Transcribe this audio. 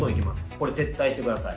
これ、撤退してください。